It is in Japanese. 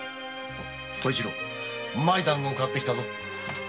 小一郎うまい団子を買ってきたぞ。